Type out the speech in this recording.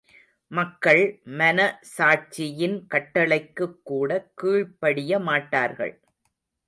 மக்கள் மன சாட்சியின் கட்டளைக்குக்கூட கீழ் படிய மாட்டார்கள்.